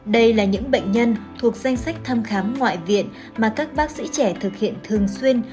đây là những bệnh nhân thuộc danh sách thăm khám ngoại viện mà các bác sĩ trẻ thực hiện thường xuyên